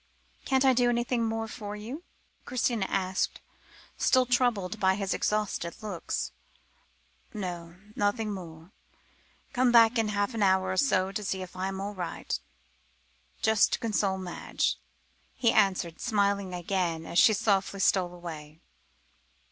"Can't I do anything more for you?" Christina asked, still troubled by his exhausted looks. "No, nothing more. Come back in half an hour to see if I am all right just to console Madge," he answered, smiling again, as she softly stole away.